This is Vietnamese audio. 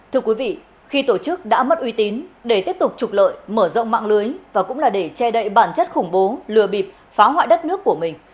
thưa quý vị khi tổ chức đã mất uy tín để tiếp tục trục lợi mở rộng mạng lưới và cũng là để che đậy bản chất khủng bố lừa bịp phá hoại đất nước của mình